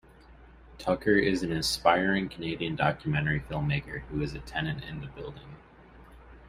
Tucker is an aspiring Canadian documentary film-maker who is a tenant in the building.